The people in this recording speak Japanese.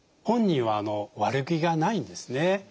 本人は悪気がないんですね。